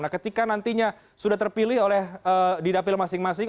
nah ketika nantinya sudah terpilih oleh didapil masing masing